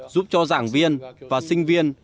giúp cho giảng viên và sinh viên